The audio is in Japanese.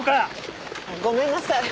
ごめんなさい。